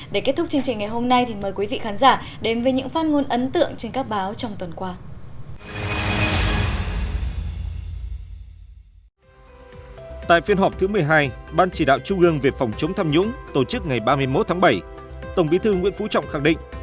để kết thúc chương trình ngày hôm nay thì mời quý vị khán giả đến với những phát ngôn ấn tượng trên các báo trong tuần qua